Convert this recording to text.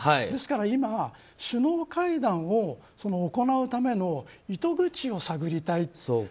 ですから今首脳会談を行うための糸口を探りたいと。